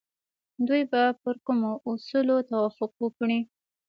دوی به پر کومو اصولو توافق وکړي؟